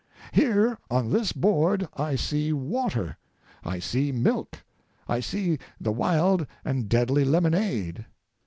Here on this board I see water, I see milk, I see the wild and deadly lemonade.